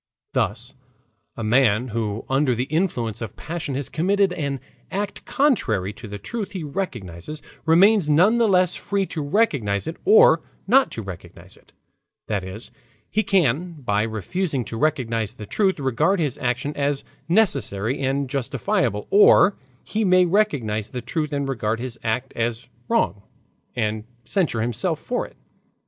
Thus a man who under the influence of passion has committed an act contrary to the truth he recognizes, remains none the less free to recognize it or not to recognize it; that is, he can by refusing to recognize the truth regard his action as necessary and justifiable, or he may recognize the truth and regard his act as wrong and censure himself for it.